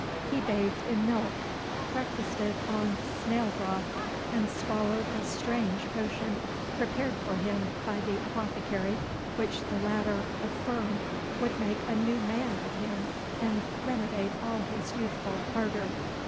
He bathed in milk, breakfasted on snail broth, and swallowed a strange potion prepared for him by the apothecary, which the latter affirmed would make a new man of him and renovate all his youthful ardour.